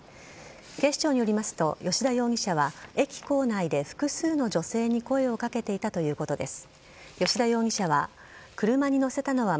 警視庁によりますと吉田容疑者は駅構内で複数の女性に声をかけていたということです。